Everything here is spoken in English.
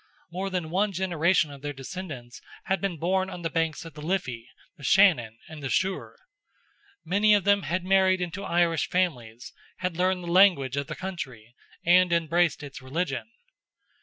More than one generation of their descendants had been born on the banks of the Liffey, the Shannon, and the Suir. Many of them had married into Irish families, had learned the language of the country, and embraced its religion.